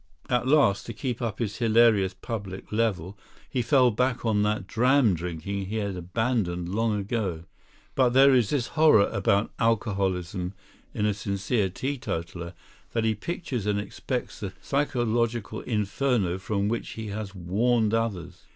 At last, to keep up his hilarious public level, he fell back on that dram drinking he had abandoned long ago. But there is this horror about alcoholism in a sincere teetotaler: that he pictures and expects that psychological inferno from which he has warned others.